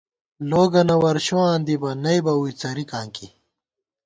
لوگَنہ ورشوواں دِبہ ، نئ بہ ووئی څرِکاں کی